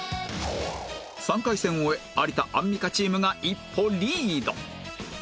３回戦を終え有田・アンミカチームが一歩リード